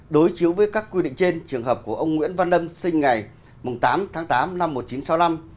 đối chiếu với các quy định trên trường hợp của ông nguyễn văn lâm sinh ngày tám tháng tám năm một nghìn chín trăm sáu mươi năm